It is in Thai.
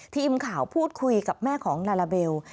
ทีมข่าวพูดคุยกับแม่ของลาลาเบล